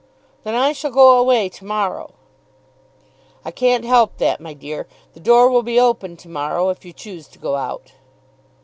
"Then I shall go away to morrow." "I can't help that, my dear. The door will be open to morrow, if you choose to go out."